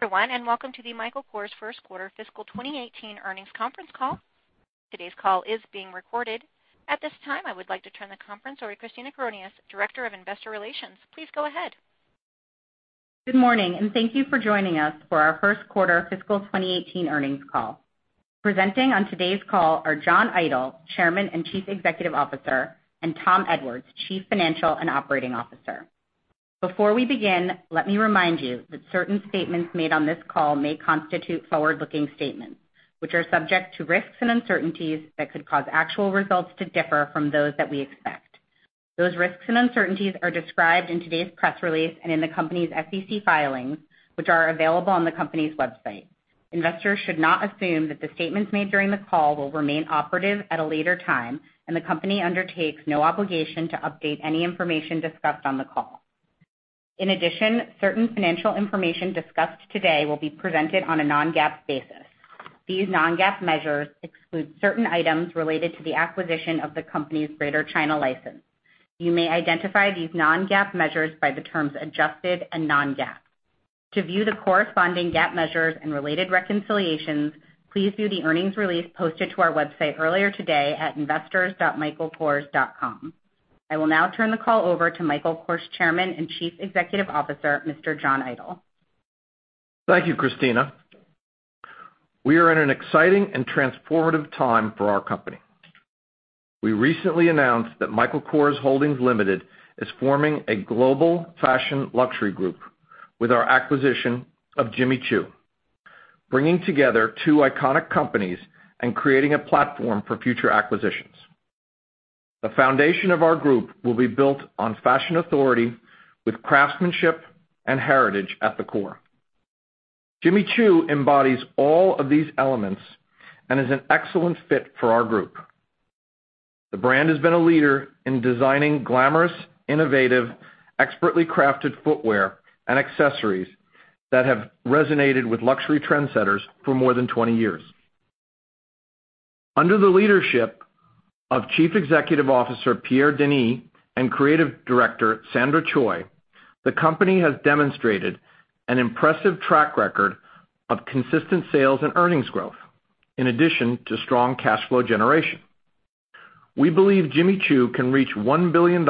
Everyone, welcome to the Michael Kors' first quarter fiscal 2018 earnings conference call. Today's call is being recorded. At this time, I would like to turn the conference over to Christina Coronas, Director of Investor Relations. Please go ahead. Good morning, thank you for joining us for our first quarter fiscal 2018 earnings call. Presenting on today's call are John Idol, Chairman and Chief Executive Officer, and Tom Edwards, Chief Financial and Operating Officer. Before we begin, let me remind you that certain statements made on this call may constitute forward-looking statements, which are subject to risks and uncertainties that could cause actual results to differ from those that we expect. Those risks and uncertainties are described in today's press release and in the company's SEC filings, which are available on the company's website. Investors should not assume that the statements made during the call will remain operative at a later time, the company undertakes no obligation to update any information discussed on the call. In addition, certain financial information discussed today will be presented on a non-GAAP basis. These non-GAAP measures exclude certain items related to the acquisition of the company's Greater China license. You may identify these non-GAAP measures by the terms adjusted and non-GAAP. To view the corresponding GAAP measures and related reconciliations, please view the earnings release posted to our website earlier today at investors.michaelkors.com. I will now turn the call over to Michael Kors' Chairman and Chief Executive Officer, Mr. John Idol. Thank you, Christina. We are in an exciting and transformative time for our company. We recently announced that Michael Kors Holdings Limited is forming a global fashion luxury group with our acquisition of Jimmy Choo, bringing together two iconic companies and creating a platform for future acquisitions. The foundation of our group will be built on fashion authority with craftsmanship and heritage at the core. Jimmy Choo embodies all of these elements and is an excellent fit for our group. The brand has been a leader in designing glamorous, innovative, expertly crafted footwear and accessories that have resonated with luxury trendsetters for more than 20 years. Under the leadership of Chief Executive Officer Pierre Denis and Creative Director Sandra Choi, the company has demonstrated an impressive track record of consistent sales and earnings growth, in addition to strong cash flow generation. We believe Jimmy Choo can reach $1 billion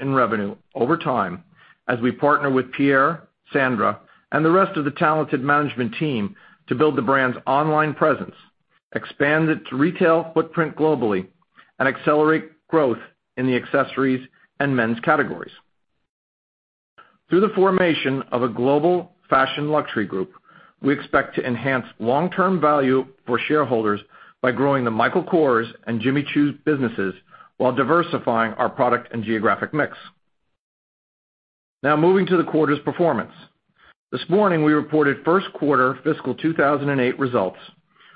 in revenue over time as we partner with Pierre, Sandra, and the rest of the talented management team to build the brand's online presence, expand its retail footprint globally, and accelerate growth in the accessories and men's categories. Through the formation of a global fashion luxury group, we expect to enhance long-term value for shareholders by growing the Michael Kors and Jimmy Choo's businesses while diversifying our product and geographic mix. Moving to the quarter's performance. This morning, we reported first quarter fiscal 2018 results,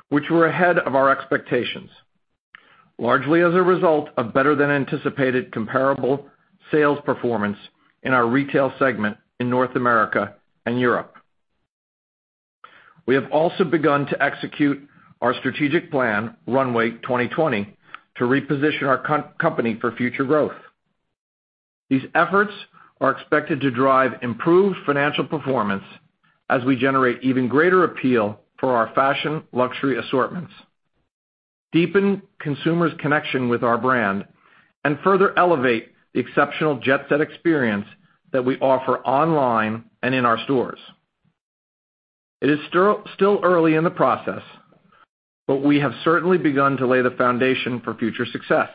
which were ahead of our expectations, largely as a result of better than anticipated comparable sales performance in our retail segment in North America and Europe. We have also begun to execute our strategic plan, Runway 2020, to reposition our company for future growth. These efforts are expected to drive improved financial performance as we generate even greater appeal for our fashion luxury assortments, deepen consumers' connection with our brand, and further elevate the exceptional jet-set experience that we offer online and in our stores. It is still early in the process, we have certainly begun to lay the foundation for future success.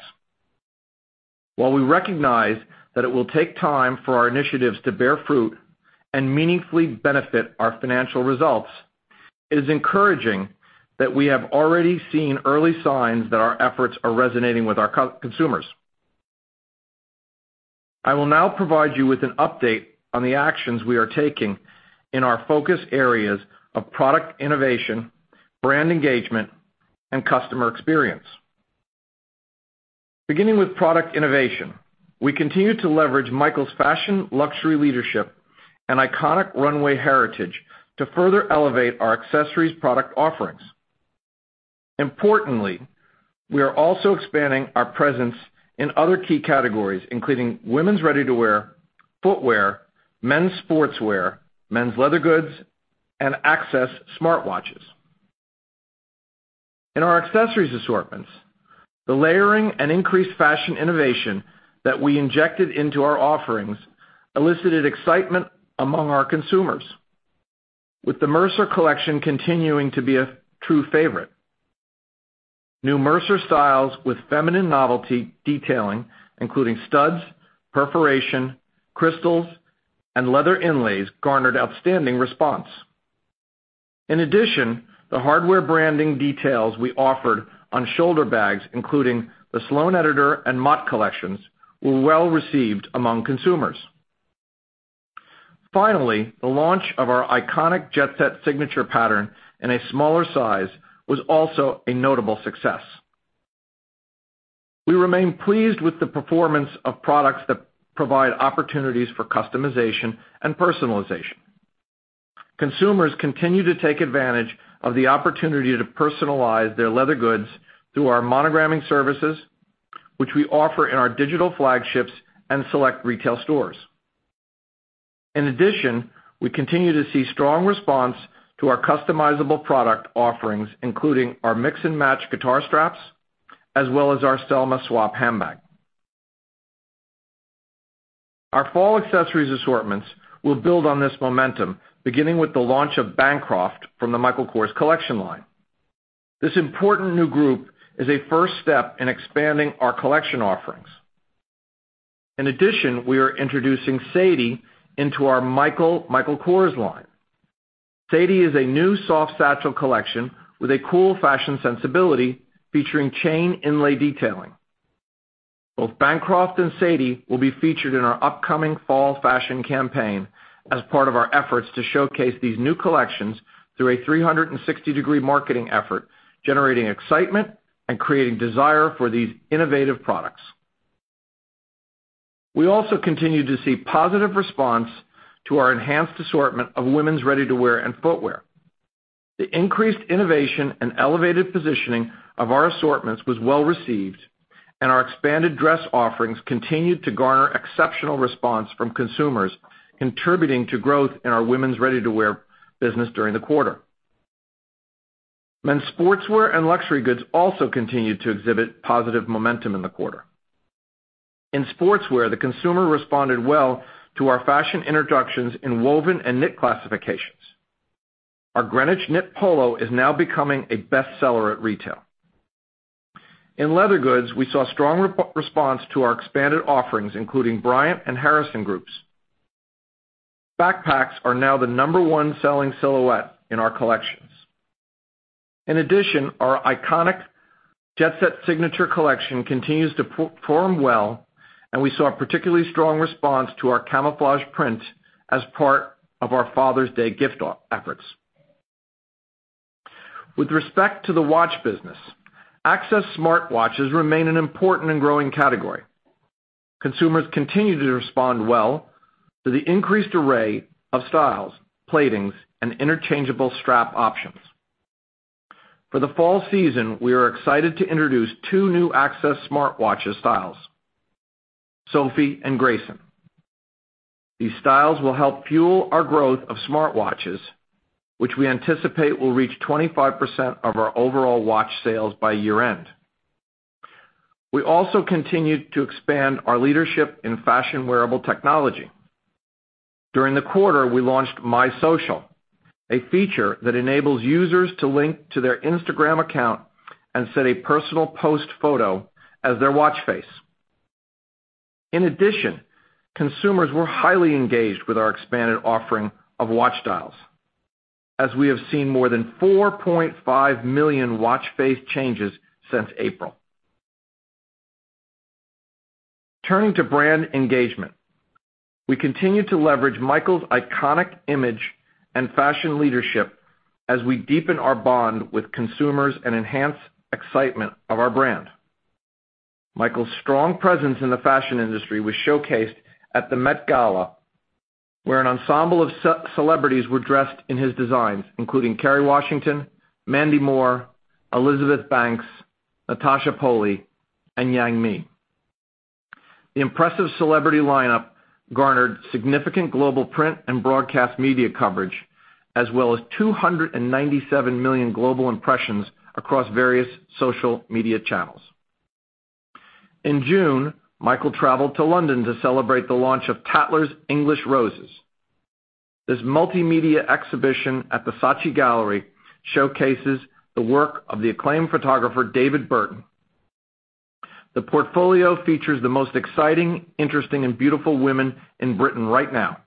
While we recognize that it will take time for our initiatives to bear fruit and meaningfully benefit our financial results, it is encouraging that we have already seen early signs that our efforts are resonating with our consumers. I will now provide you with an update on the actions we are taking in our focus areas of product innovation, brand engagement, and customer experience. Beginning with product innovation, we continue to leverage Michael's fashion luxury leadership and iconic runway heritage to further elevate our accessories product offerings. Importantly, we are also expanding our presence in other key categories, including women's ready-to-wear footwear, men's sportswear, men's leather goods, and Access smartwatches. In our accessories assortments, the layering and increased fashion innovation that we injected into our offerings elicited excitement among our consumers, with the Mercer collection continuing to be a true favorite. New Mercer styles with feminine novelty detailing, including studs, perforation, crystals, and leather inlays, garnered outstanding response. In addition, the hardware branding details we offered on shoulder bags, including the Sloan Editor and Mott collections, were well received among consumers. Finally, the launch of our iconic Jet Set signature pattern in a smaller size was also a notable success. We remain pleased with the performance of products that provide opportunities for customization and personalization. Consumers continue to take advantage of the opportunity to personalize their leather goods through our monogramming services which we offer in our digital flagships and select retail stores. In addition, we continue to see strong response to our customizable product offerings, including our mix-and-match guitar straps, as well as our Selma swap handbag. Our fall accessories assortments will build on this momentum, beginning with the launch of Bancroft from the Michael Kors collection line. This important new group is a first step in expanding our collection offerings. In addition, we are introducing Sadie into our Michael Kors line. Sadie is a new soft satchel collection with a cool fashion sensibility featuring chain inlay detailing. Both Bancroft and Sadie will be featured in our upcoming fall fashion campaign as part of our efforts to showcase these new collections through a 360-degree marketing effort, generating excitement and creating desire for these innovative products. We also continue to see positive response to our enhanced assortment of women's ready-to-wear and footwear. The increased innovation and elevated positioning of our assortments was well-received, and our expanded dress offerings continued to garner exceptional response from consumers, contributing to growth in our women's ready-to-wear business during the quarter. Men's sportswear and luxury goods also continued to exhibit positive momentum in the quarter. In sportswear, the consumer responded well to our fashion introductions in woven and knit classifications. Our Greenwich knit polo is now becoming a bestseller at retail. In leather goods, we saw strong response to our expanded offerings, including Bryant and Harrison groups. Backpacks are now the number 1 selling silhouette in our collections. In addition, our iconic Jet Set signature collection continues to perform well, and we saw a particularly strong response to our camouflage print as part of our Father's Day gift efforts. With respect to the watch business, Access smartwatches remain an important and growing category. Consumers continue to respond well to the increased array of styles, platings, and interchangeable strap options. For the fall season, we are excited to introduce two new Access smartwatch styles, Sofie and Grayson. These styles will help fuel our growth of smartwatches, which we anticipate will reach 25% of our overall watch sales by year-end. We also continued to expand our leadership in fashion wearable technology. During the quarter, we launched My Social, a feature that enables users to link to their Instagram account and set a personal post photo as their watch face. In addition, consumers were highly engaged with our expanded offering of watch dials, as we have seen more than 4.5 million watch face changes since April. Turning to brand engagement. We continue to leverage Michael's iconic image and fashion leadership as we deepen our bond with consumers and enhance excitement of our brand. Michael's strong presence in the fashion industry was showcased at the Met Gala, where an ensemble of celebrities were dressed in his designs, including Kerry Washington, Mandy Moore, Elizabeth Banks, Natasha Poly, and Yang Mi. The impressive celebrity lineup garnered significant global print and broadcast media coverage, as well as 297 million global impressions across various social media channels. In June, Michael traveled to London to celebrate the launch of Tatler's English Roses. This multimedia exhibition at the Saatchi Gallery showcases the work of the acclaimed photographer David Burton. The portfolio features the most exciting, interesting, and beautiful women in Britain right now,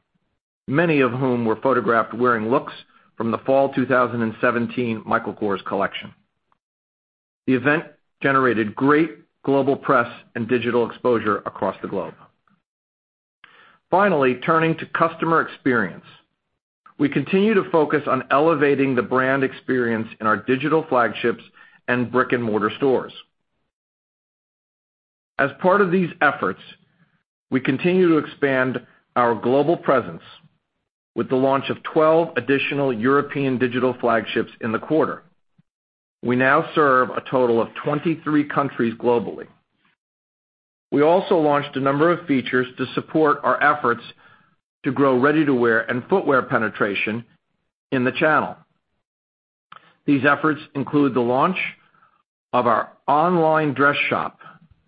many of whom were photographed wearing looks from the fall 2017 Michael Kors collection. The event generated great global press and digital exposure across the globe. Finally, turning to customer experience. We continue to focus on elevating the brand experience in our digital flagships and brick-and-mortar stores. As part of these efforts, we continue to expand our global presence with the launch of 12 additional European digital flagships in the quarter. We now serve a total of 23 countries globally. We also launched a number of features to support our efforts to grow ready-to-wear and footwear penetration in the channel. These efforts include the launch of our online dress shop,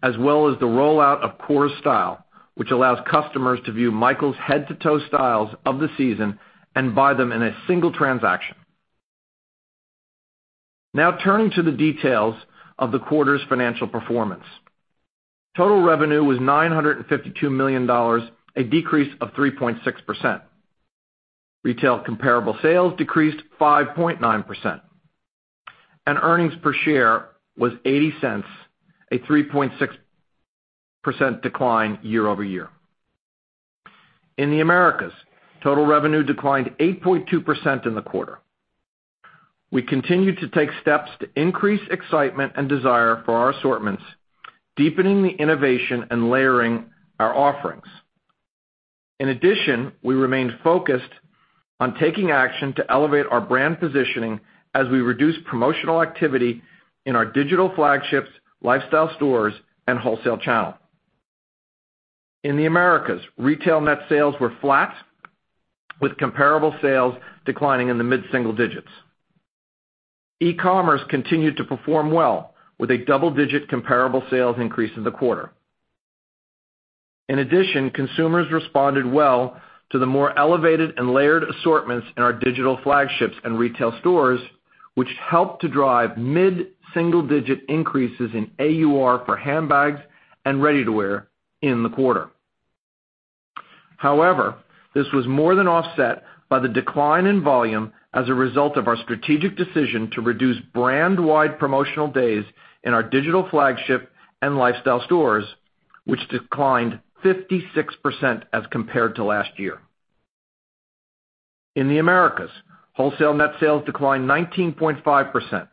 as well as the rollout of Kors Style, which allows customers to view Michael's head-to-toe styles of the season and buy them in a single transaction. Turning to the details of the quarter's financial performance. Total revenue was $952 million, a decrease of 3.6%. Retail comparable sales decreased 5.9%. Earnings per share was $0.80, a 3.6% decline year-over-year. In the Americas, total revenue declined 8.2% in the quarter. We continued to take steps to increase excitement and desire for our assortments, deepening the innovation and layering our offerings. In addition, we remained focused on taking action to elevate our brand positioning as we reduce promotional activity in our digital flagships, lifestyle stores, and wholesale channel. In the Americas, retail net sales were flat with comparable sales declining in the mid-single digits. e-commerce continued to perform well with a double-digit comparable sales increase in the quarter. Consumers responded well to the more elevated and layered assortments in our digital flagships and retail stores, which helped to drive mid-single-digit increases in AUR for handbags and ready-to-wear in the quarter. This was more than offset by the decline in volume as a result of our strategic decision to reduce brand-wide promotional days in our digital flagship and lifestyle stores, which declined 56% as compared to last year. In the Americas, wholesale net sales declined 19.5%,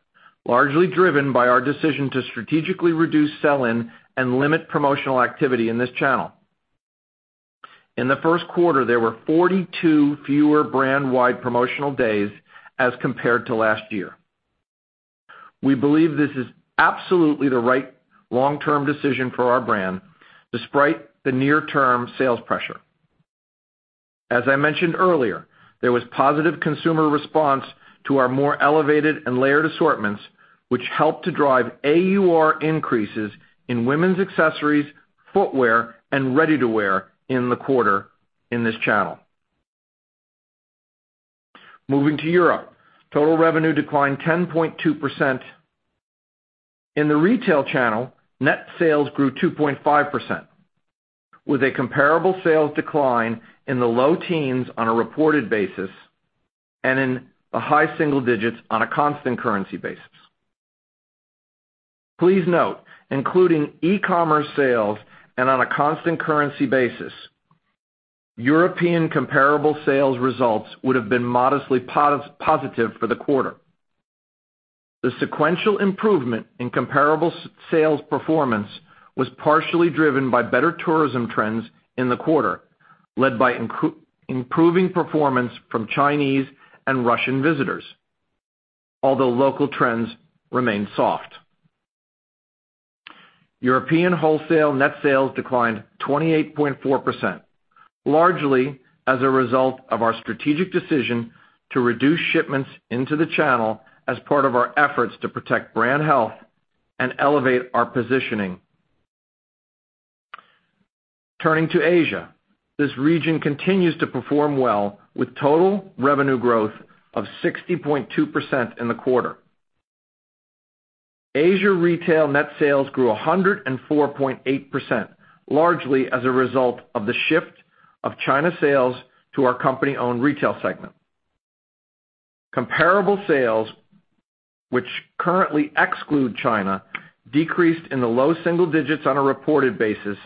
largely driven by our decision to strategically reduce sell-in and limit promotional activity in this channel. In the first quarter, there were 42 fewer brand-wide promotional days as compared to last year. We believe this is absolutely the right long-term decision for our brand despite the near-term sales pressure. As I mentioned earlier, there was positive consumer response to our more elevated and layered assortments, which helped to drive AUR increases in women's accessories, footwear, and ready-to-wear in the quarter in this channel. Moving to Europe, total revenue declined 10.2%. In the retail channel, net sales grew 2.5%, with a comparable sales decline in the low teens on a reported basis and in the high single digits on a constant currency basis. Please note, including e-commerce sales and on a constant currency basis, European comparable sales results would have been modestly positive for the quarter. The sequential improvement in comparable sales performance was partially driven by better tourism trends in the quarter, led by improving performance from Chinese and Russian visitors, although local trends remained soft. European wholesale net sales declined 28.4%, largely as a result of our strategic decision to reduce shipments into the channel as part of our efforts to protect brand health and elevate our positioning. Turning to Asia. This region continues to perform well with total revenue growth of 60.2% in the quarter. Asia retail net sales grew 104.8%, largely as a result of the shift of China sales to our company-owned retail segment. Comparable sales, which currently exclude China, decreased in the low single digits on a reported basis,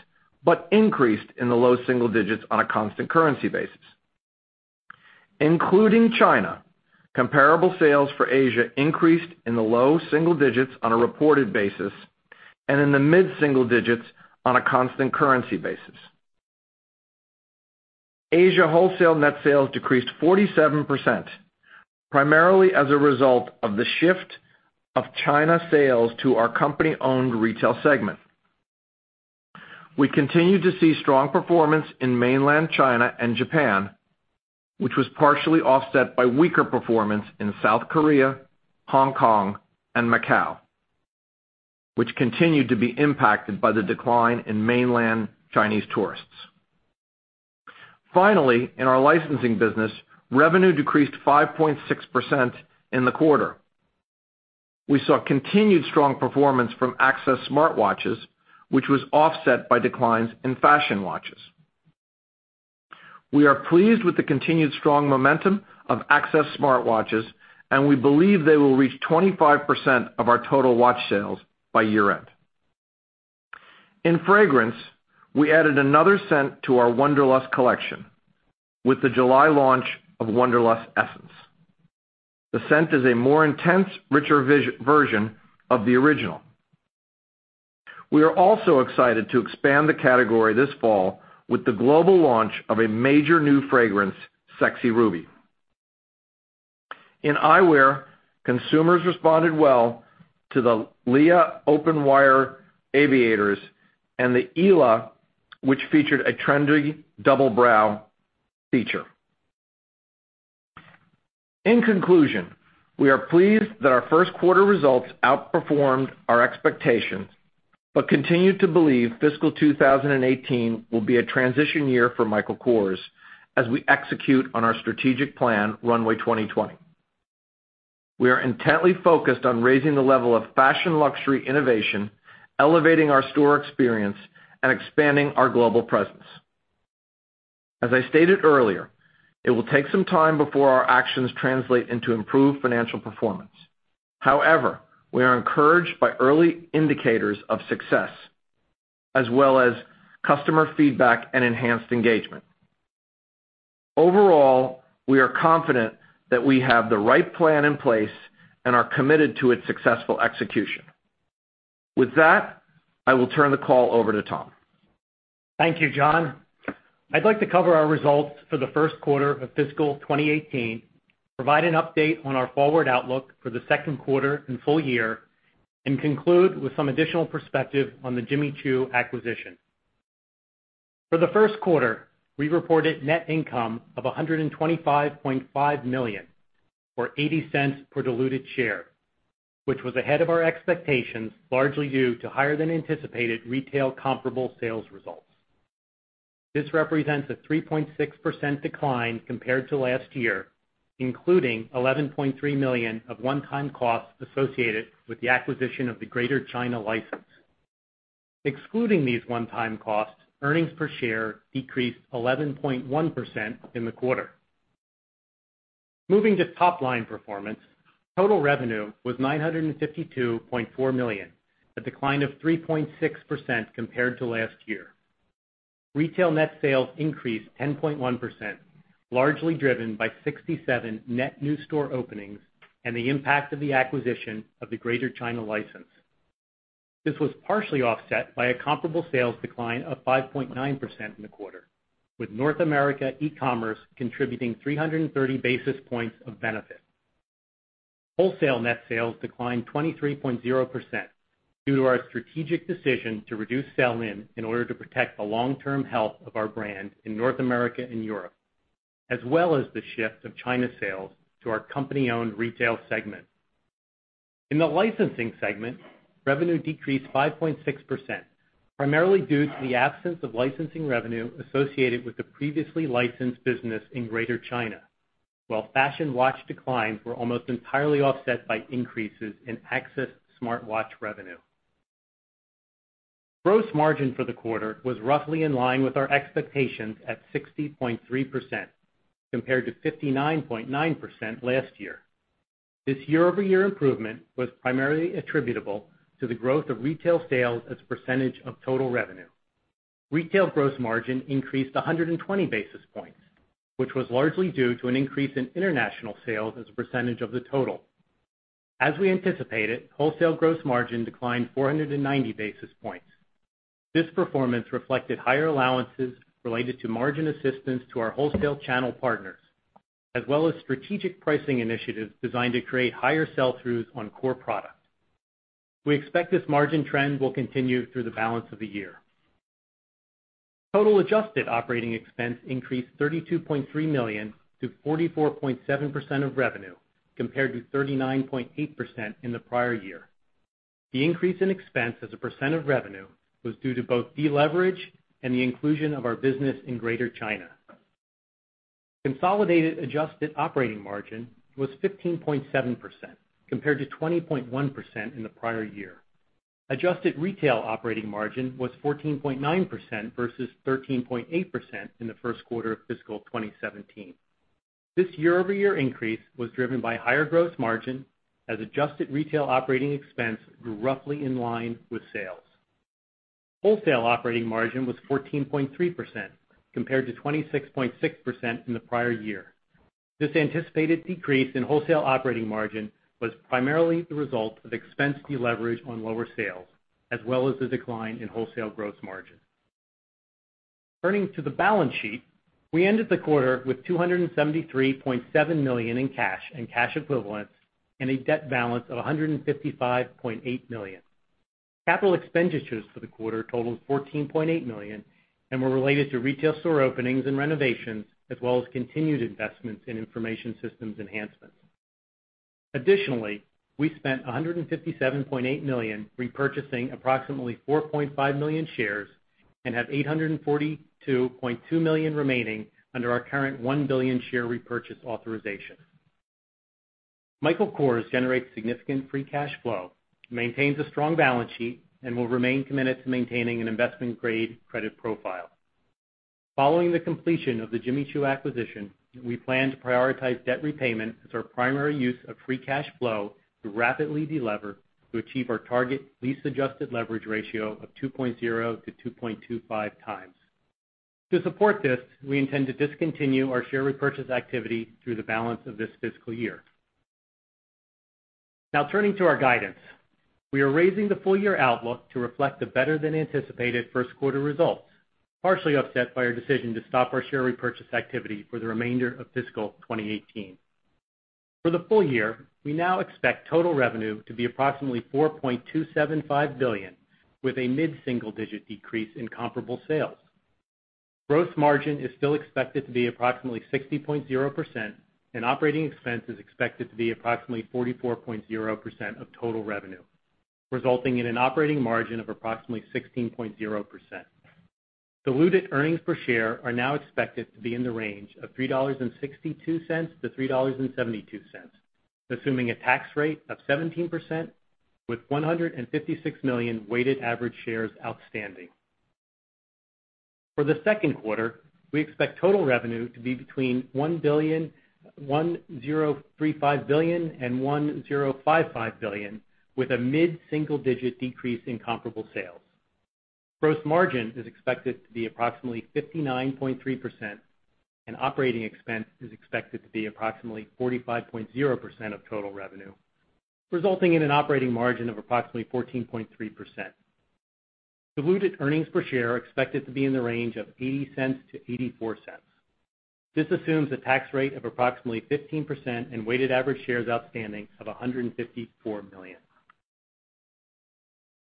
but increased in the low single digits on a constant currency basis. Including China, comparable sales for Asia increased in the low single digits on a reported basis and in the mid-single digits on a constant currency basis. Asia wholesale net sales decreased 47%, primarily as a result of the shift of China sales to our company-owned retail segment. We continued to see strong performance in mainland China and Japan, which was partially offset by weaker performance in South Korea, Hong Kong, and Macau, which continued to be impacted by the decline in mainland Chinese tourists. Finally, in our licensing business, revenue decreased 5.6% in the quarter. We saw continued strong performance from Access smartwatches, which was offset by declines in fashion watches. We are pleased with the continued strong momentum of Access smartwatches, and we believe they will reach 25% of our total watch sales by year-end. In fragrance, we added another scent to our Wonderlust collection with the July launch of Wonderlust Essence. The scent is a more intense, richer version of the original. We are also excited to expand the category this fall with the global launch of a major new fragrance, Sexy Ruby. In eyewear, consumers responded well to the Leah Open Wire Aviators and the Ella, which featured a trendy double brow feature. In conclusion, we are pleased that our first quarter results outperformed our expectations, but continue to believe fiscal 2018 will be a transition year for Michael Kors as we execute on our strategic plan, Runway 2020. We are intently focused on raising the level of fashion luxury innovation, elevating our store experience, and expanding our global presence. As I stated earlier, it will take some time before our actions translate into improved financial performance. However, we are encouraged by early indicators of success, as well as customer feedback and enhanced engagement. Overall, we are confident that we have the right plan in place and are committed to its successful execution. With that, I will turn the call over to Tom. Thank you, John. I'd like to cover our results for the first quarter of fiscal 2018, provide an update on our forward outlook for the second quarter and full year, and conclude with some additional perspective on the Jimmy Choo acquisition. For the first quarter, we reported net income of $125.5 million, or $0.80 per diluted share, which was ahead of our expectations largely due to higher than anticipated retail comparable sales results. This represents a 3.6% decline compared to last year, including $11.3 million of one-time costs associated with the acquisition of the Greater China license. Excluding these one-time costs, earnings per share decreased 11.1% in the quarter. Moving to top line performance. Total revenue was $952.4 million, a decline of 3.6% compared to last year. Retail net sales increased 10.1%, largely driven by 67 net new store openings and the impact of the acquisition of the Greater China license. This was partially offset by a comparable sales decline of 5.9% in the quarter, with North America e-commerce contributing 330 basis points of benefit. Wholesale net sales declined 23.0% due to our strategic decision to reduce sell-in in order to protect the long-term health of our brand in North America and Europe, as well as the shift of China sales to our company-owned retail segment. In the licensing segment, revenue decreased 5.6%, primarily due to the absence of licensing revenue associated with the previously licensed business in Greater China, while fashion watch declines were almost entirely offset by increases in Access smartwatch revenue. Gross margin for the quarter was roughly in line with our expectations at 60.3%, compared to 59.9% last year. This year-over-year improvement was primarily attributable to the growth of retail sales as a percentage of total revenue. Retail gross margin increased 120 basis points, which was largely due to an increase in international sales as a percentage of the total. As we anticipated, wholesale gross margin declined 490 basis points. This performance reflected higher allowances related to margin assistance to our wholesale channel partners, as well as strategic pricing initiatives designed to create higher sell-throughs on core products. We expect this margin trend will continue through the balance of the year. Total adjusted operating expense increased $32.3 million to 44.7% of revenue, compared to 39.8% in the prior year. The increase in expense as a % of revenue was due to both deleverage and the inclusion of our business in Greater China. Consolidated adjusted operating margin was 15.7%, compared to 20.1% in the prior year. Adjusted retail operating margin was 14.9% versus 13.8% in the first quarter of fiscal 2017. This year-over-year increase was driven by higher gross margin as adjusted retail operating expense grew roughly in line with sales. Wholesale operating margin was 14.3%, compared to 26.6% in the prior year. This anticipated decrease in wholesale operating margin was primarily the result of expense deleverage on lower sales, as well as the decline in wholesale gross margin. Turning to the balance sheet. We ended the quarter with $273.7 million in cash and cash equivalents and a debt balance of $155.8 million. Capital expenditures for the quarter totaled $14.8 million and were related to retail store openings and renovations, as well as continued investments in information systems enhancements. Additionally, we spent $157.8 million repurchasing approximately 4.5 million shares and have $842.2 million remaining under our current $1 billion share repurchase authorization. Michael Kors generates significant free cash flow, maintains a strong balance sheet, and will remain committed to maintaining an investment-grade credit profile. Following the completion of the Jimmy Choo acquisition, we plan to prioritize debt repayment as our primary use of free cash flow to rapidly delever to achieve our target lease adjusted leverage ratio of 2.0 to 2.25 times. To support this, we intend to discontinue our share repurchase activity through the balance of this fiscal year. Turning to our guidance. We are raising the full year outlook to reflect the better than anticipated first quarter results, partially offset by our decision to stop our share repurchase activity for the remainder of fiscal 2018. For the full year, we now expect total revenue to be approximately $4.275 billion, with a mid-single-digit decrease in comparable sales. Gross margin is still expected to be approximately 60.0%, and operating expense is expected to be approximately 44.0% of total revenue, resulting in an operating margin of approximately 16.0%. Diluted earnings per share are now expected to be in the range of $3.62 to $3.72, assuming a tax rate of 17% with 156 million weighted average shares outstanding. For the second quarter, we expect total revenue to be between $1.035 billion and $1.055 billion, with a mid-single-digit decrease in comparable sales. Gross margin is expected to be approximately 59.3%, and operating expense is expected to be approximately 45.0% of total revenue, resulting in an operating margin of approximately 14.3%. Diluted earnings per share are expected to be in the range of $0.80-$0.84. This assumes a tax rate of approximately 15% and weighted average shares outstanding of 154 million.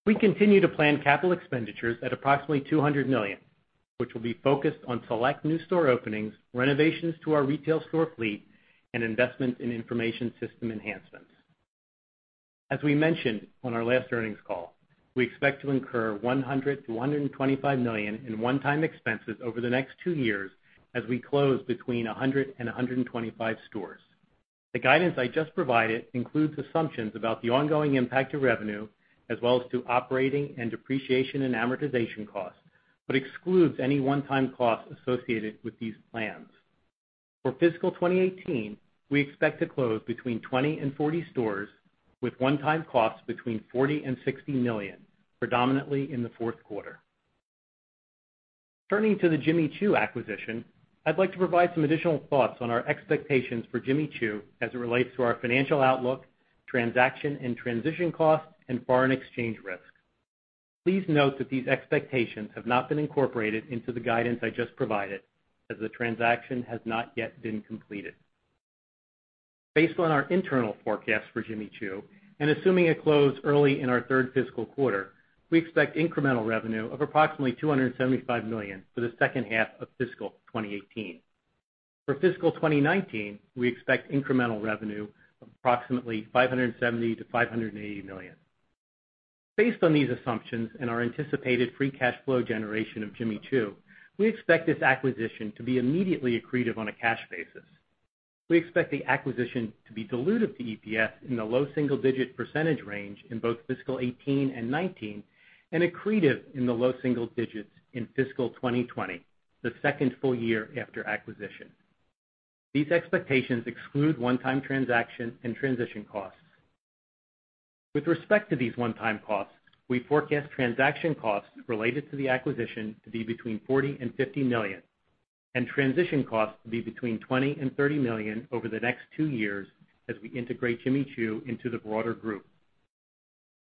We continue to plan capital expenditures at approximately $200 million, which will be focused on select new store openings, renovations to our retail store fleet, and investments in information system enhancements. As we mentioned on our last earnings call, we expect to incur $100 million-$125 million in one-time expenses over the next two years as we close between 100 and 125 stores. The guidance I just provided includes assumptions about the ongoing impact to revenue, as well as to operating and depreciation and amortization costs, but excludes any one-time costs associated with these plans. For fiscal 2018, we expect to close between 20 and 40 stores with one-time costs between $40 million-$60 million, predominantly in the fourth quarter. Turning to the Jimmy Choo acquisition, I'd like to provide some additional thoughts on our expectations for Jimmy Choo as it relates to our financial outlook, transaction and transition costs, and foreign exchange risk. Please note that these expectations have not been incorporated into the guidance I just provided, as the transaction has not yet been completed. Based on our internal forecast for Jimmy Choo, and assuming a close early in our third fiscal quarter, we expect incremental revenue of approximately $275 million for the second half of fiscal 2018. For fiscal 2019, we expect incremental revenue of approximately $570 million-$580 million. Based on these assumptions and our anticipated free cash flow generation of Jimmy Choo, we expect this acquisition to be immediately accretive on a cash basis. We expect the acquisition to be dilutive to EPS in the low single-digit percentage range in both fiscal 2018 and 2019, and accretive in the low single digits in fiscal 2020, the second full year after acquisition. These expectations exclude one-time transaction and transition costs. With respect to these one-time costs, we forecast transaction costs related to the acquisition to be between $40 million-$50 million, and transition costs to be between $20 million-$30 million over the next two years as we integrate Jimmy Choo into the broader group.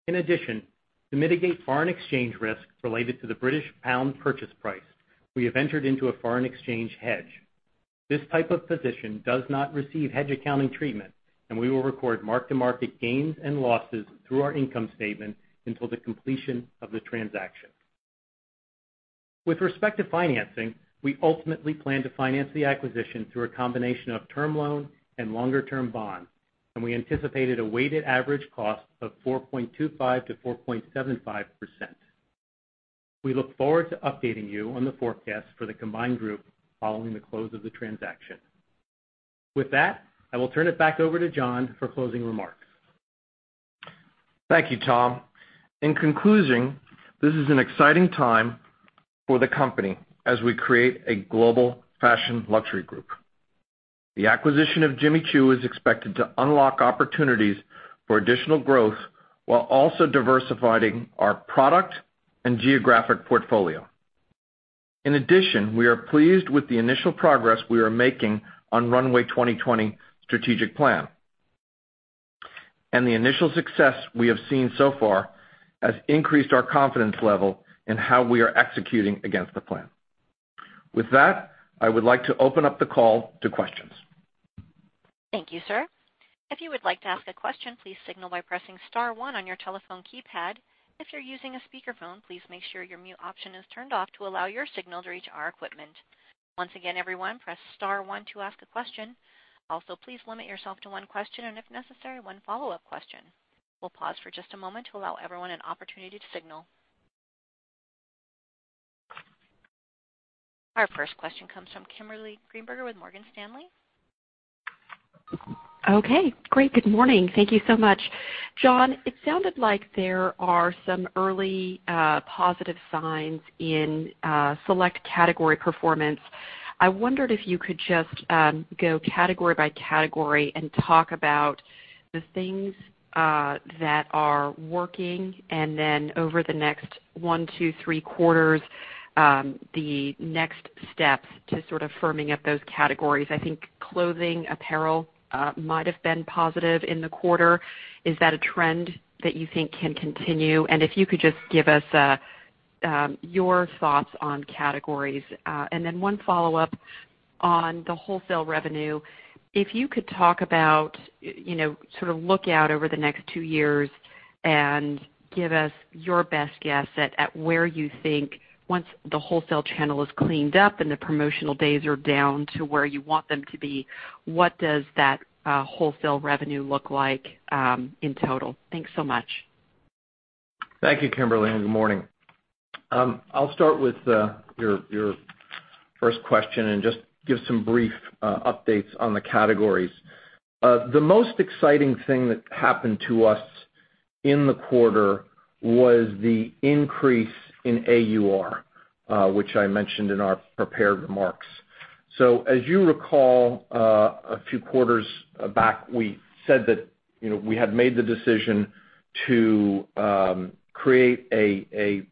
In addition, to mitigate foreign exchange risk related to the British pound purchase price, we have entered into a foreign exchange hedge. This type of position does not receive hedge accounting treatment, and we will record mark-to-market gains and losses through our income statement until the completion of the transaction. With respect to financing, we ultimately plan to finance the acquisition through a combination of term loan and longer-term bonds, and we anticipated a weighted average cost of 4.25%-4.75%. We look forward to updating you on the forecast for the combined group following the close of the transaction. With that, I will turn it back over to John for closing remarks. Thank you, Tom. In conclusion, this is an exciting time for the company as we create a global fashion luxury group. The acquisition of Jimmy Choo is expected to unlock opportunities for additional growth while also diversifying our product and geographic portfolio. In addition, we are pleased with the initial progress we are making on Runway 2020 strategic plan. The initial success we have seen so far has increased our confidence level in how we are executing against the plan. With that, I would like to open up the call to questions. Thank you, sir. If you would like to ask a question, please signal by pressing star 1 on your telephone keypad. If you're using a speakerphone, please make sure your mute option is turned off to allow your signal to reach our equipment. Once again, everyone, press star 1 to ask a question. Also, please limit yourself to one question and, if necessary, one follow-up question. We'll pause for just a moment to allow everyone an opportunity to signal. Our first question comes from Kimberly Greenberger with Morgan Stanley. Okay. Great, good morning. Thank you so much. John, it sounded like there are some early positive signs in select category performance. I wondered if you could just go category by category and talk about the things that are working and then over the next one to three quarters, the next steps to sort of firming up those categories. I think clothing, apparel might have been positive in the quarter. Is that a trend that you think can continue? If you could just give us your thoughts on categories. Then one follow-up on the wholesale revenue. If you could talk about sort of look out over the next two years and give us your best guess at where you think once the wholesale channel is cleaned up and the promotional days are down to where you want them to be, what does that wholesale revenue look like in total? Thanks so much. Thank you, Kimberly, and good morning. I'll start with your first question and just give some brief updates on the categories. The most exciting thing that happened to us in the quarter was the increase in AUR, which I mentioned in our prepared remarks. As you recall, a few quarters back, we said that we had made the decision to create a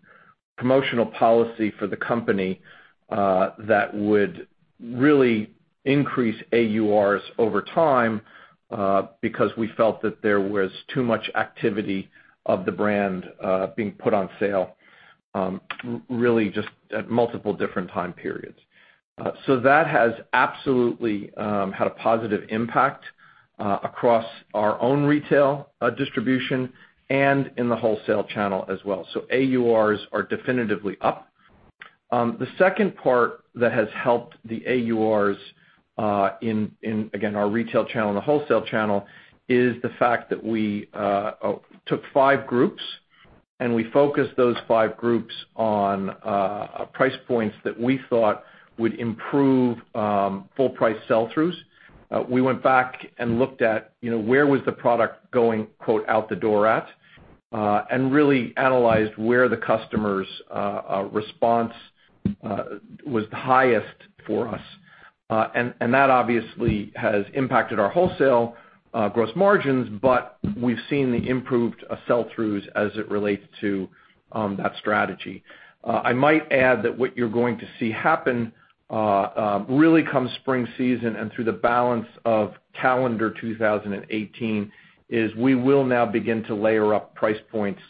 promotional policy for the company that would really increase AURs over time, because we felt that there was too much activity of the brand being put on sale really just at multiple different time periods. That has absolutely had a positive impact across our own retail distribution and in the wholesale channel as well. AURs are definitively up. The second part that has helped the AURs in, again, our retail channel and the wholesale channel, is the fact that we took five groups and we focused those five groups on price points that we thought would improve full price sell-throughs. We went back and looked at where was the product going, quote, "out the door at," and really analyzed where the customer's response was the highest for us. That obviously has impacted our wholesale gross margins, but we've seen the improved sell-throughs as it relates to that strategy. I might add that what you're going to see happen really come spring season and through the balance of calendar 2018, is we will now begin to layer up price points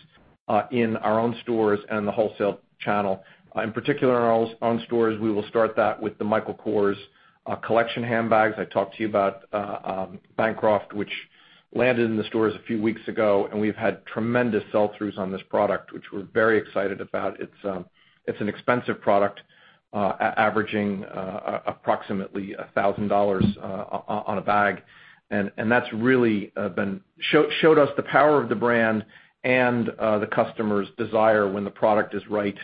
in our own stores and the wholesale channel. In particular, in our own stores, we will start that with the Michael Kors collection handbags. I talked to you about Bancroft, which landed in the stores a few weeks ago, and we've had tremendous sell-throughs on this product, which we're very excited about. It's an expensive product, averaging approximately $1,000 on a bag. That's really showed us the power of the brand and the customer's desire when the product is right.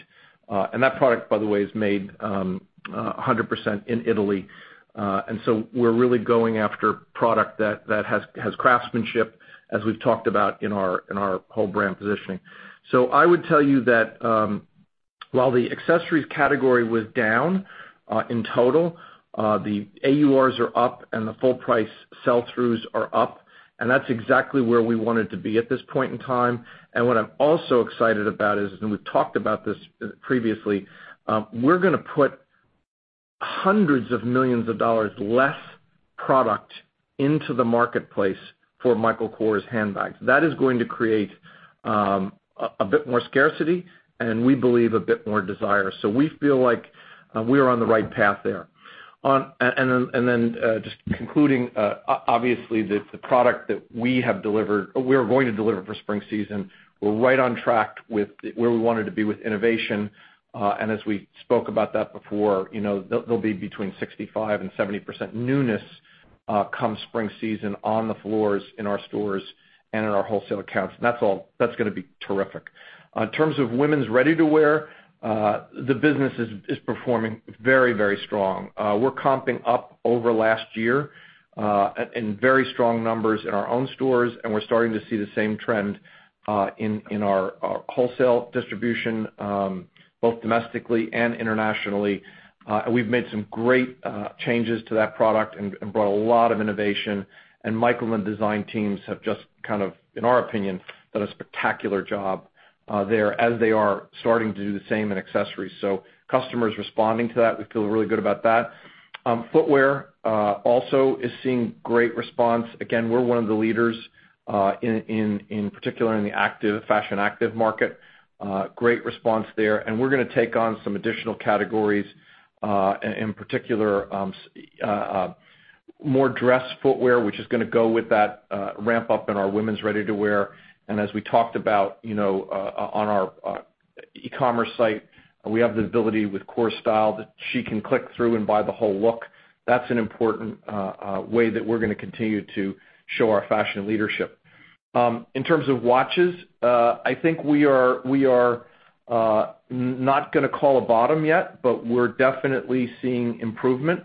That product, by the way, is made 100% in Italy. We're really going after product that has craftsmanship, as we've talked about in our whole brand positioning. I would tell you that while the accessories category was down in total, the AURs are up and the full price sell-throughs are up, and that's exactly where we wanted to be at this point in time. What I'm also excited about is, and we've talked about this previously, we're going to put hundreds of millions of dollars less product into the marketplace for Michael Kors handbags. That is going to create a bit more scarcity and we believe a bit more desire. We feel like we are on the right path there. Then just concluding, obviously the product that we are going to deliver for spring season, we're right on track with where we wanted to be with innovation. As we spoke about that before, there'll be between 65% and 70% newness come spring season on the floors in our stores and in our wholesale accounts. That's going to be terrific. In terms of women's ready-to-wear, the business is performing very strong. We're comping up over last year in very strong numbers in our own stores, and we're starting to see the same trend in our wholesale distribution, both domestically and internationally. We've made some great changes to that product and brought a lot of innovation, Michael and design teams have just, in our opinion, done a spectacular job there as they are starting to do the same in accessories. Customers responding to that, we feel really good about that. Footwear also is seeing great response. Again, we're one of the leaders, in particular in the fashion active market. Great response there. We're going to take on some additional categories, in particular, more dress footwear, which is going to go with that ramp up in our women's ready-to-wear. As we talked about on our e-commerce site, we have the ability with Kors Style that she can click through and buy the whole look. That's an important way that we're going to continue to show our fashion leadership. In terms of watches, I think we are not going to call a bottom yet, but we're definitely seeing improvement.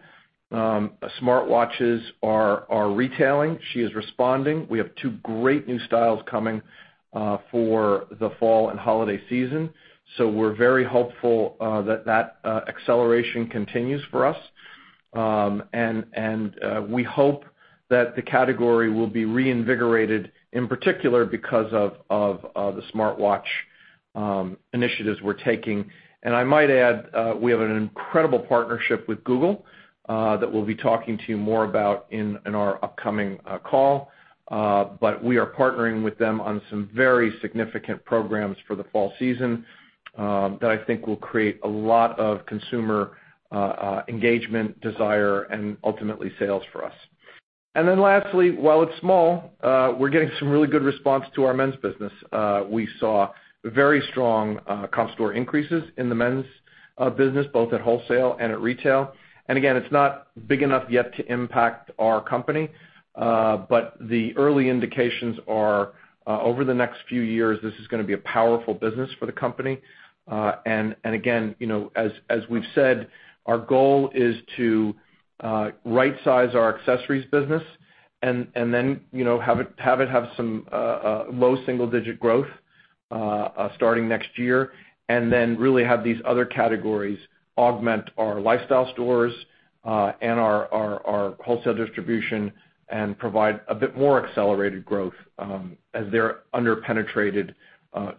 Smartwatches are retailing. She is responding. We have two great new styles coming for the fall and holiday season. We're very hopeful that acceleration continues for us. We hope that the category will be reinvigorated, in particular because of the smartwatch initiatives we're taking. I might add, we have an incredible partnership with Google that we'll be talking to you more about in our upcoming call. We are partnering with them on some very significant programs for the fall season, that I think will create a lot of consumer engagement, desire, and ultimately sales for us. Lastly, while it's small, we're getting some really good response to our men's business. We saw very strong comp store increases in the men's business, both at wholesale and at retail. Again, it's not big enough yet to impact our company. The early indications are over the next few years, this is going to be a powerful business for the company. Again, as we've said, our goal is to right-size our accessories business and then have it have some low single-digit growth starting next year, and then really have these other categories augment our lifestyle stores, and our wholesale distribution and provide a bit more accelerated growth, as they're under-penetrated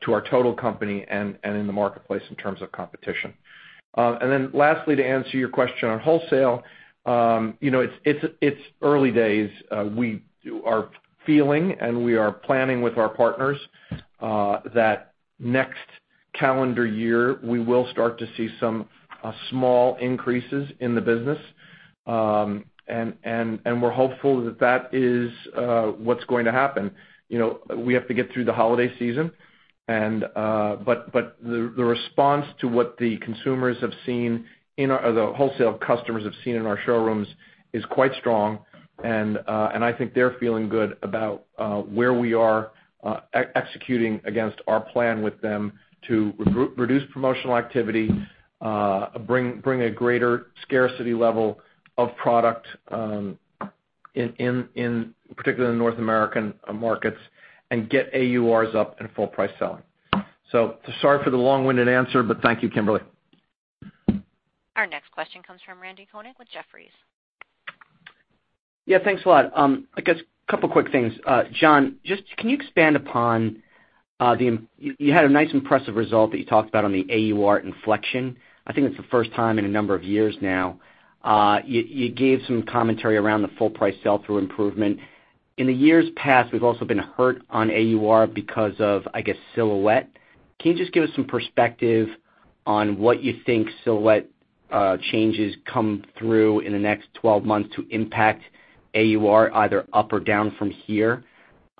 to our total company and in the marketplace in terms of competition. Lastly, to answer your question on wholesale, it's early days. We are feeling and we are planning with our partners that next Calendar year, we will start to see some small increases in the business. We're hopeful that is what's going to happen. We have to get through the holiday season, but the response to what the wholesale customers have seen in our showrooms is quite strong, and I think they're feeling good about where we are executing against our plan with them to reduce promotional activity, bring a greater scarcity level of product, particularly in North American markets, and get AURs up in full price selling. Sorry for the long-winded answer, but thank you, Kimberly. Our next question comes from Randal Konik with Jefferies. Yeah, thanks a lot. I guess a couple quick things. John, can you expand upon you had a nice impressive result that you talked about on the AUR inflection. I think it's the first time in a number of years now. You gave some commentary around the full price sell-through improvement. In the years past, we've also been hurt on AUR because of, I guess, silhouette. Can you just give us some perspective on what you think silhouette changes come through in the next 12 months to impact AUR, either up or down from here?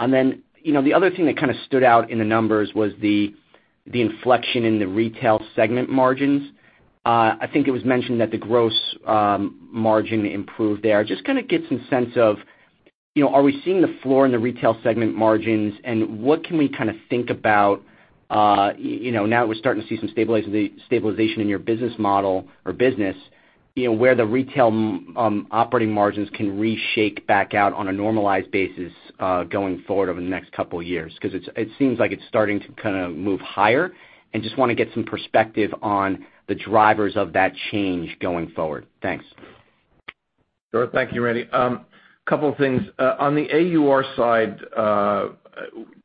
Then, the other thing that stood out in the numbers was the inflection in the retail segment margins. I think it was mentioned that the gross margin improved there. Just get some sense of are we seeing the floor in the retail segment margins, and what can we think about now that we're starting to see some stabilization in your business model or business, where the retail operating margins can reshake back out on a normalized basis going forward over the next couple of years. It seems like it's starting to move higher, and just want to get some perspective on the drivers of that change going forward. Thanks. Sure. Thank you, Randy. Couple of things. On the AUR side,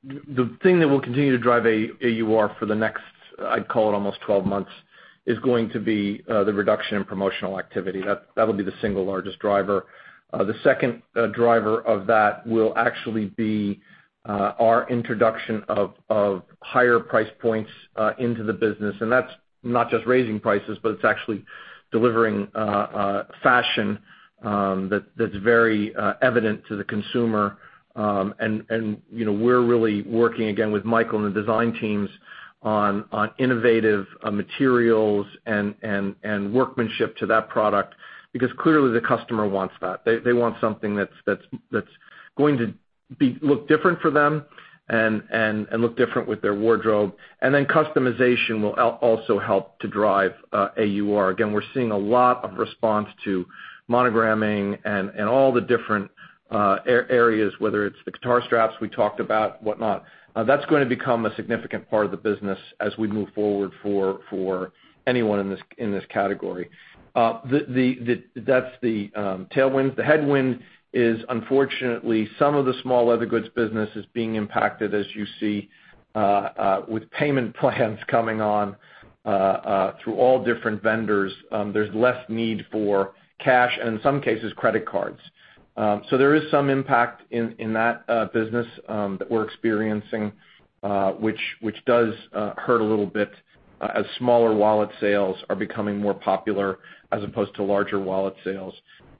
the thing that will continue to drive AUR for the next, I'd call it almost 12 months, is going to be the reduction in promotional activity. That'll be the single largest driver. The second driver of that will actually be our introduction of higher price points into the business. That's not just raising prices, but it's actually delivering fashion that's very evident to the consumer. We're really working again with Michael and the design teams on innovative materials and workmanship to that product because clearly the customer wants that. They want something that's going to look different for them and look different with their wardrobe. Then customization will also help to drive AUR. Again, we're seeing a lot of response to monogramming and all the different areas, whether it's the guitar straps we talked about, whatnot. That's going to become a significant part of the business as we move forward for anyone in this category. That's the tailwinds. The headwind is unfortunately, some of the small leather goods business is being impacted, as you see with payment plans coming on through all different vendors. There's less need for cash and in some cases, credit cards. There is some impact in that business that we're experiencing which does hurt a little bit as smaller wallet sales are becoming more popular as opposed to larger wallet sales.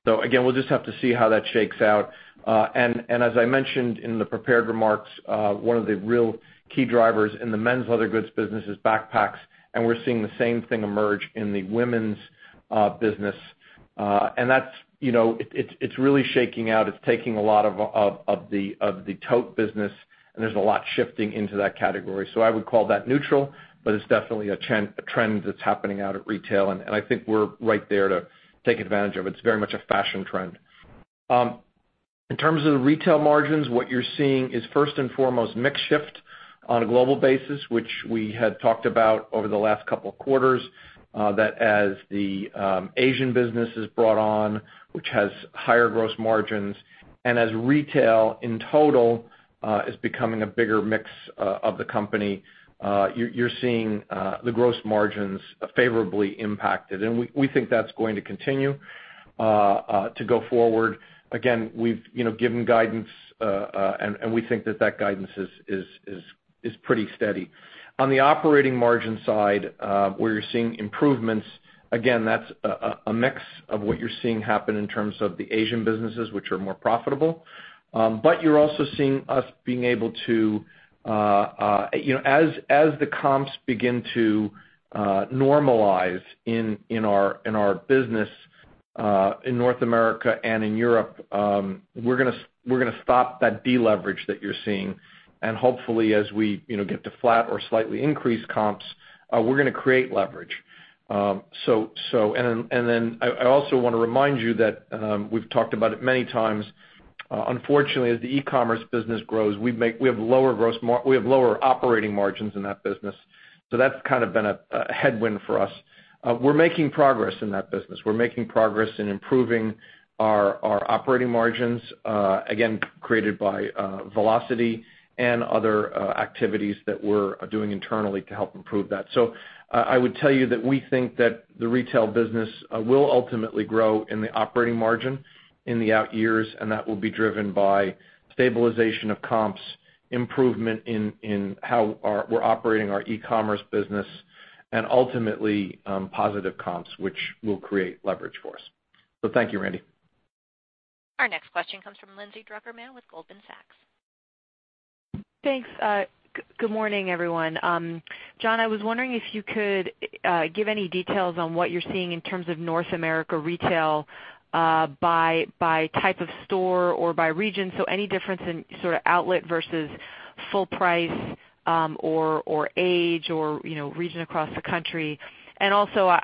Again, we'll just have to see how that shakes out. As I mentioned in the prepared remarks, one of the real key drivers in the men's leather goods business is backpacks, and we're seeing the same thing emerge in the women's business. It's really shaking out. It's taking a lot of the tote business, and there's a lot shifting into that category. I would call that neutral, but it's definitely a trend that's happening out at retail, and I think we're right there to take advantage of. It's very much a fashion trend. In terms of the retail margins, what you're seeing is first and foremost mix shift on a global basis, which we had talked about over the last couple of quarters. That as the Asian business is brought on, which has higher gross margins, and as retail in total is becoming a bigger mix of the company, you're seeing the gross margins favorably impacted. We think that's going to continue to go forward. Again, we've given guidance, and we think that that guidance is pretty steady. On the operating margin side, where you're seeing improvements, again, that's a mix of what you're seeing happen in terms of the Asian businesses, which are more profitable. You're also seeing us being able to as the comps begin to normalize in our business in North America and in Europe, we're going to stop that deleverage that you're seeing. Hopefully as we get to flat or slightly increased comps, we're going to create leverage. Then I also want to remind you that we've talked about it many times. Unfortunately, as the e-commerce business grows, we have lower operating margins in that business. That's been a headwind for us. We're making progress in that business. We're making progress in improving our operating margins, again, created by velocity and other activities that we're doing internally to help improve that. I would tell you that we think that the retail business will ultimately grow in the operating margin in the out years, that will be driven by stabilization of comps, improvement in how we're operating our e-commerce business, and ultimately, positive comps, which will create leverage for us. Thank you, Randy. Our next question comes from Lindsay Drucker Mann with Goldman Sachs. Thanks. Good morning, everyone. John, I was wondering if you could give any details on what you're seeing in terms of North America retail by type of store or by region. Any difference in sort of outlet versus full price or age or region across the country. Also,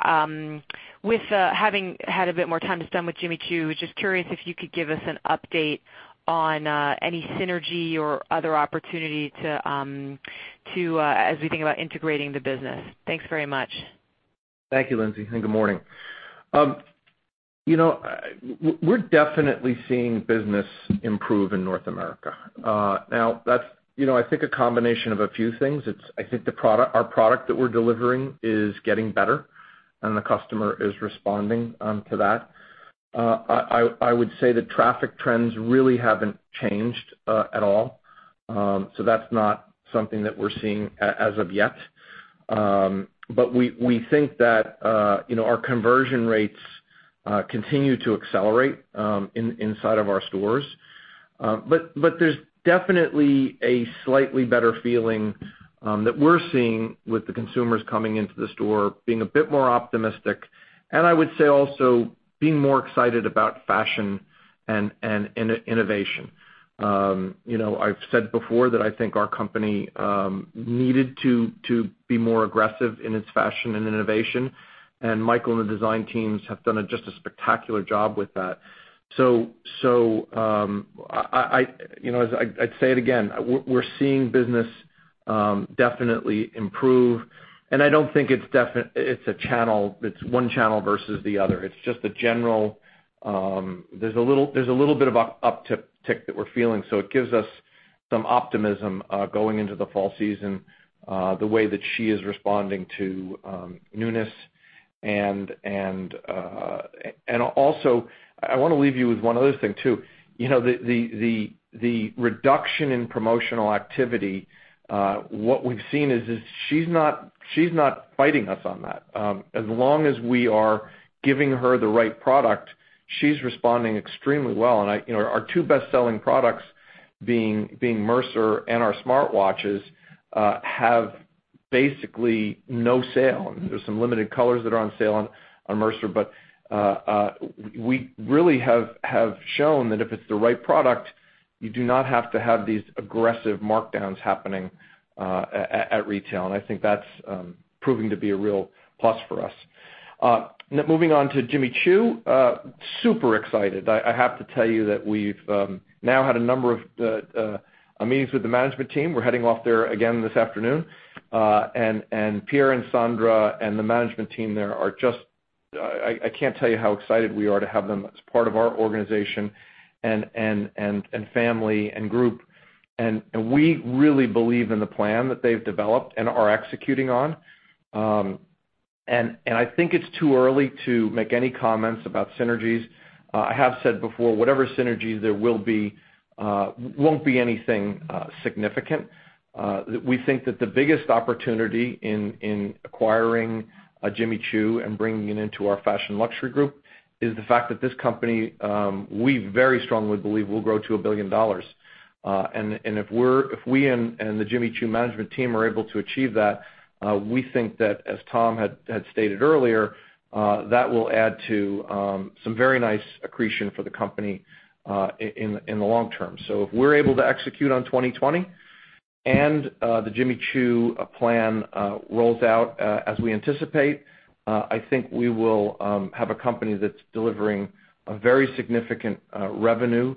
with having had a bit more time to spend with Jimmy Choo, just curious if you could give us an update on any synergy or other opportunity as we think about integrating the business. Thanks very much. Thank you, Lindsay, good morning. We're definitely seeing business improve in North America. That's I think a combination of a few things. Our product that we're delivering is getting better, the customer is responding to that. I would say the traffic trends really haven't changed at all. That's not something that we're seeing as of yet. We think that our conversion rates continue to accelerate inside of our stores. There's definitely a slightly better feeling that we're seeing with the consumers coming into the store, being a bit more optimistic, I would say also being more excited about fashion and innovation. I've said before that I think our company needed to be more aggressive in its fashion and innovation, Michael and the design teams have done just a spectacular job with that. I'd say it again, we're seeing business definitely improve, and I don't think it's one channel versus the other. It's just a little bit of a uptick that we're feeling. It gives us some optimism going into the fall season the way that she is responding to newness. I want to leave you with one other thing, too. The reduction in promotional activity, what we've seen is she's not fighting us on that. As long as we are giving her the right product, she's responding extremely well. Our two best-selling products being Mercer and our smartwatches, have basically no sale. There's some limited colors that are on sale on Mercer, but we really have shown that if it's the right product, you do not have to have these aggressive markdowns happening at retail. I think that's proving to be a real plus for us. Now, moving on to Jimmy Choo. Super excited. I have to tell you that we've now had a number of meetings with the management team. We're heading off there again this afternoon. Pierre and Sandra and the management team there are just I can't tell you how excited we are to have them as part of our organization and family and group. We really believe in the plan that they've developed and are executing on. I think it's too early to make any comments about synergies. I have said before, whatever synergies there will be, won't be anything significant. We think that the biggest opportunity in acquiring Jimmy Choo and bringing it into our fashion luxury group is the fact that this company, we very strongly believe will grow to $1 billion. If we and the Jimmy Choo management team are able to achieve that, we think that as Tom had stated earlier, that will add to some very nice accretion for the company in the long term. If we're able to execute on Runway 2020 and the Jimmy Choo plan rolls out as we anticipate, I think we will have a company that's delivering a very significant revenue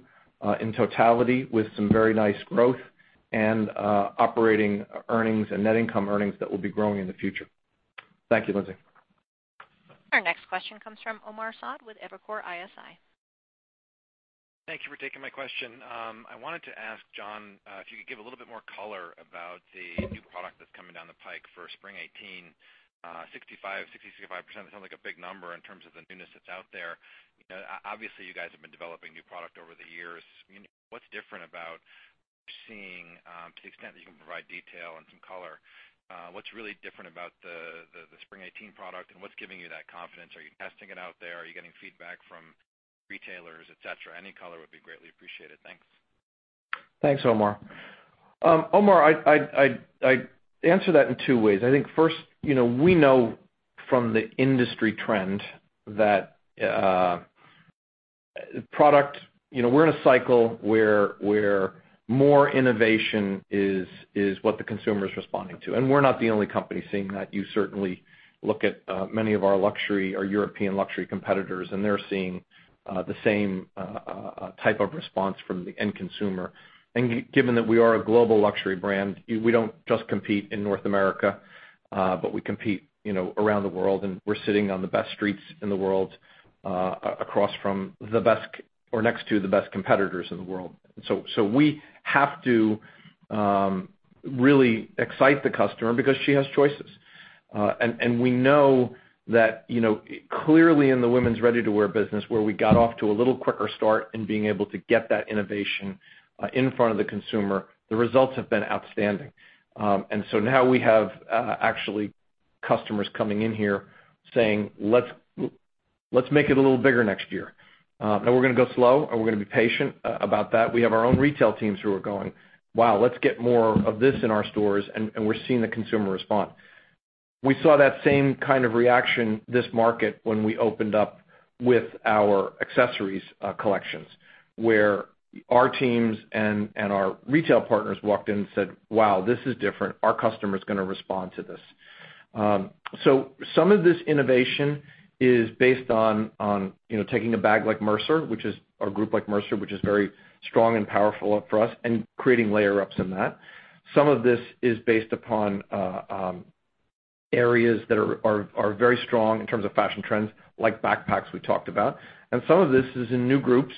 in totality with some very nice growth and operating earnings and net income earnings that will be growing in the future. Thank you, Lindsay. Our next question comes from Omar Saad with Evercore ISI. Thank you for taking my question. I wanted to ask, John, if you could give a little bit more color about the new product that's coming down the pike for spring 2018, 65%, it sounds like a big number in terms of the newness that's out there. Obviously, you guys have been developing new product over the years. What's different about seeing, to the extent that you can provide detail and some color, what's really different about the spring 2018 product and what's giving you that confidence? Are you testing it out there? Are you getting feedback from retailers, et cetera? Any color would be greatly appreciated. Thanks. Thanks, Omar. Omar, I answer that in two ways. I think first, we know from the industry trend that product. We're in a cycle where more innovation is what the consumer is responding to. We're not the only company seeing that. You certainly look at many of our luxury or European luxury competitors, and they're seeing the same type of response from the end consumer. Given that we are a global luxury brand, we don't just compete in North America, but we compete around the world, and we're sitting on the best streets in the world across from the best or next to the best competitors in the world. We have to really excite the customer because she has choices. We know that clearly in the women's ready-to-wear business, where we got off to a little quicker start in being able to get that innovation in front of the consumer, the results have been outstanding. Now we have actually customers coming in here saying, "Let's make it a little bigger next year." We're going to go slow, and we're going to be patient about that. We have our own retail teams who are going, "Wow, let's get more of this in our stores," and we're seeing the consumer respond. We saw that same kind of reaction this market when we opened up with our accessories collections, where our teams and our retail partners walked in and said, "Wow, this is different. Our customer's going to respond to this." Some of this innovation is based on taking a group like Mercer, which is very strong and powerful for us, and creating layer-ups in that. Some of this is based upon areas that are very strong in terms of fashion trends, like backpacks we talked about. Some of this is in new groups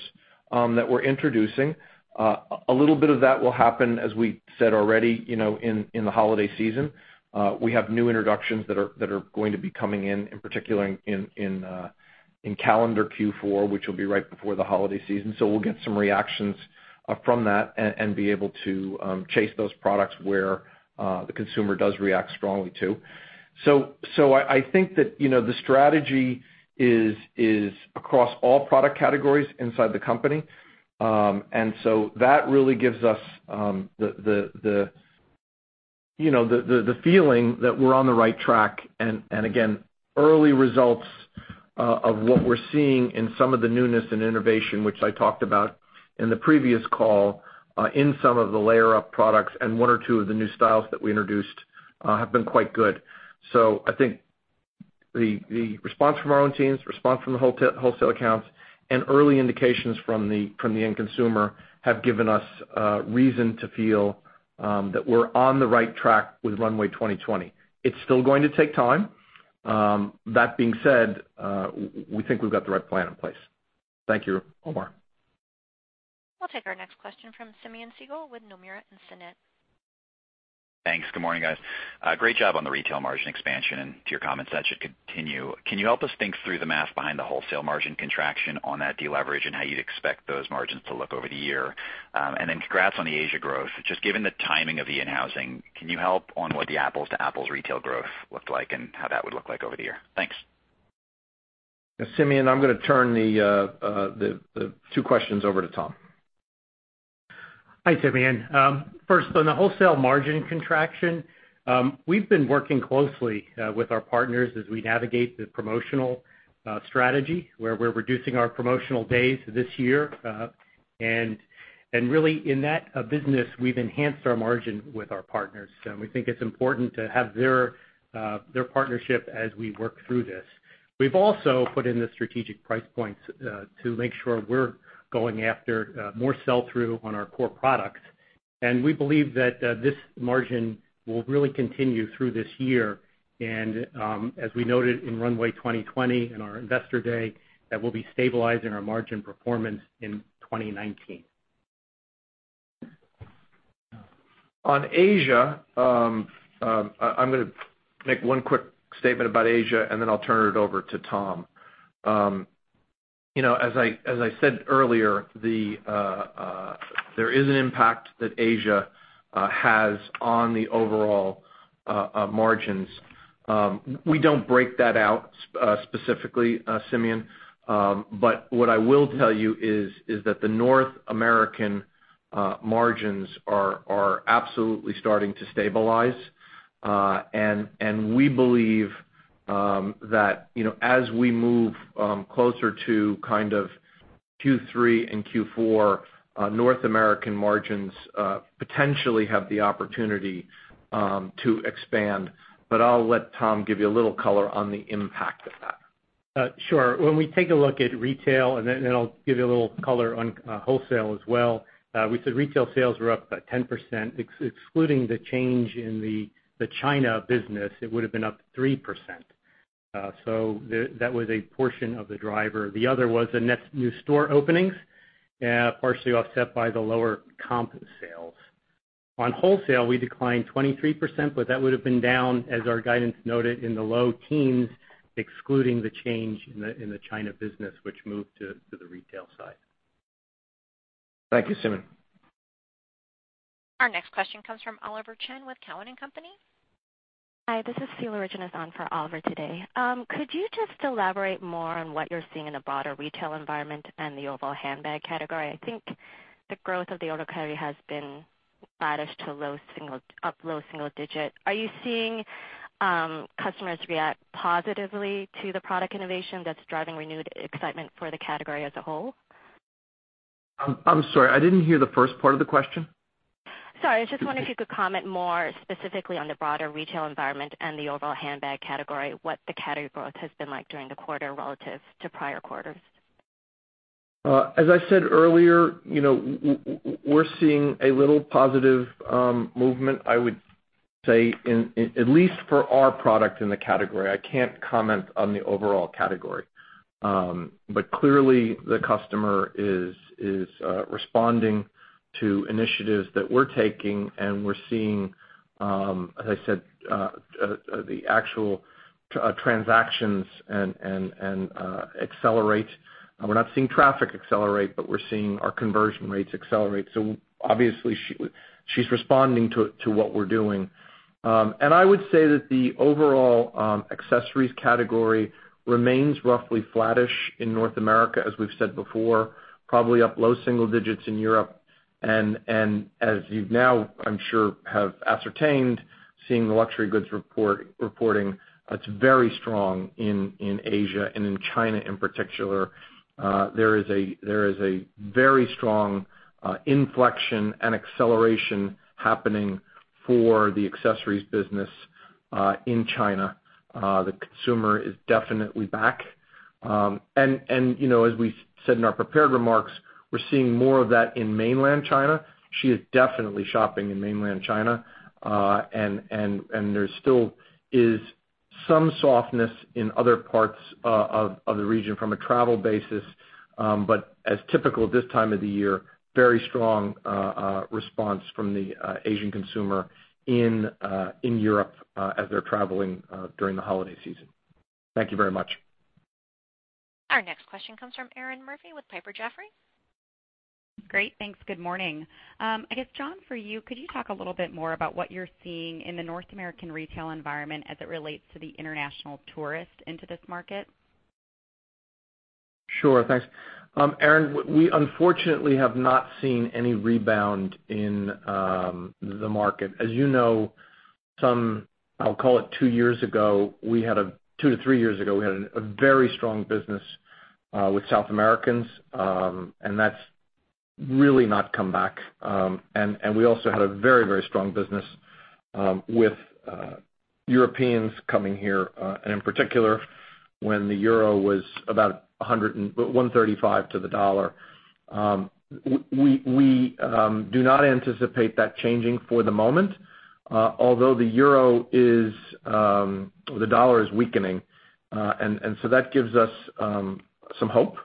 that we're introducing. A little bit of that will happen, as we said already, in the holiday season. We have new introductions that are going to be coming in particular in calendar Q4, which will be right before the holiday season. We'll get some reactions from that and be able to chase those products where the consumer does react strongly to. I think that the strategy is across all product categories inside the company. That really gives us the feeling that we're on the right track. Early results of what we're seeing in some of the newness and innovation, which I talked about in the previous call, in some of the layer-up products and one or two of the new styles that we introduced have been quite good. I think the response from our own teams, response from the wholesale accounts, and early indications from the end consumer have given us reason to feel that we're on the right track with Runway 2020. It's still going to take time. That being said, we think we've got the right plan in place. Thank you, Omar. We'll take our next question from Simeon Siegel with Nomura Instinet. Thanks. Good morning, guys. Great job on the retail margin expansion. To your comments, that should continue. Can you help us think through the math behind the wholesale margin contraction on that deleverage and how you'd expect those margins to look over the year? Congrats on the Asia growth. Just given the timing of the in-housing, can you help on what the apples-to-apples retail growth looked like and how that would look like over the year? Thanks. Simeon, I'm going to turn the two questions over to Tom. Hi, Simeon. First, on the wholesale margin contraction. We've been working closely with our partners as we navigate the promotional strategy, where we're reducing our promotional days this year. Really in that business, we've enhanced our margin with our partners. We think it's important to have their partnership as we work through this. We've also put in the strategic price points to make sure we're going after more sell-through on our core products. We believe that this margin will really continue through this year. As we noted in Runway 2020, in our investor day, that we'll be stabilizing our margin performance in 2019. On Asia, I'm going to make one quick statement about Asia, and then I'll turn it over to Tom. As I said earlier, there is an impact that Asia has on the overall margins. We don't break that out specifically, Simeon. What I will tell you is that the North American margins are absolutely starting to stabilize. We believe that as we move closer to Q3 and Q4, North American margins potentially have the opportunity to expand. I'll let Tom give you a little color on the impact of that. Sure. When we take a look at retail, and then I'll give you a little color on wholesale as well. We said retail sales were up by 10%. Excluding the change in the China business, it would've been up 3%. That was a portion of the driver. The other was the net new store openings, partially offset by the lower comp sales. On wholesale, we declined 23%, but that would've been down, as our guidance noted, in the low teens, excluding the change in the China business, which moved to the retail side. Thank you, Simeon. Our next question comes from Oliver Chen with Cowen and Company. Hi, this is Sheila Regines on for Oliver today. Could you just elaborate more on what you're seeing in the broader retail environment and the overall handbag category? I think the growth of the overall category has been flattish to up low single digit. Are you seeing customers react positively to the product innovation that's driving renewed excitement for the category as a whole? I'm sorry, I didn't hear the first part of the question. Sorry. I just wondered if you could comment more specifically on the broader retail environment and the overall handbag category, what the category growth has been like during the quarter relative to prior quarters. As I said earlier, we're seeing a little positive movement, I would say, at least for our product in the category. I can't comment on the overall category. Clearly the customer is responding to initiatives that we're taking, and we're seeing, as I said, Transactions accelerate. We're not seeing traffic accelerate, but we're seeing our conversion rates accelerate. Obviously, she's responding to what we're doing. I would say that the overall accessories category remains roughly flattish in North America, as we've said before, probably up low single digits in Europe. As you now, I'm sure, have ascertained, seeing the luxury goods reporting, it's very strong in Asia and in China in particular. There is a very strong inflection and acceleration happening for the accessories business in China. The consumer is definitely back. As we said in our prepared remarks, we're seeing more of that in mainland China. She is definitely shopping in mainland China. There still is some softness in other parts of the region from a travel basis. As typical this time of the year, very strong response from the Asian consumer in Europe as they're traveling during the holiday season. Thank you very much. Our next question comes from Erinn Murphy with Piper Jaffray. Great. Thanks. Good morning. I guess, John, for you, could you talk a little bit more about what you're seeing in the North American retail environment as it relates to the international tourist into this market? Sure. Thanks. Erinn, we unfortunately have not seen any rebound in the market. As you know, I'll call it two to three years ago, we had a very strong business with South Americans, and that's really not come back. We also had a very strong business with Europeans coming here, in particular, when the euro was about $1.35 to the dollar. We do not anticipate that changing for the moment. Although the dollar is weakening, and so that gives us some hope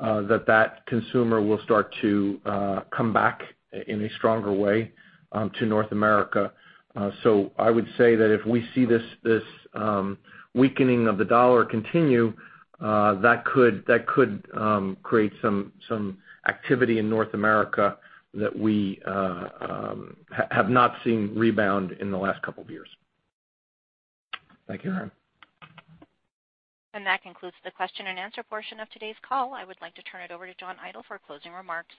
that consumer will start to come back in a stronger way to North America. I would say that if we see this weakening of the dollar continue, that could create some activity in North America that we have not seen rebound in the last couple of years. Thank you, Erinn. That concludes the question and answer portion of today's call. I would like to turn it over to John Idol for closing remarks.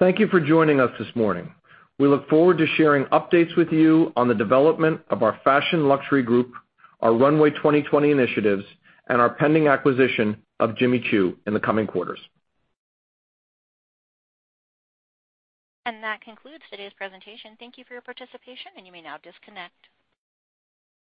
Thank you for joining us this morning. We look forward to sharing updates with you on the development of our fashion luxury group, our Runway 2020 initiatives, and our pending acquisition of Jimmy Choo in the coming quarters. That concludes today's presentation. Thank you for your participation, and you may now disconnect.